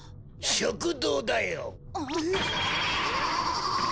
食堂だよ。